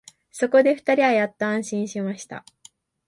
そこで二人はやっと安心しました